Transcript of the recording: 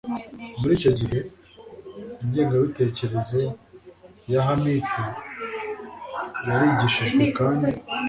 Muri icyo gihe ingengabitekerezo ya hamite yarigishijwe kandi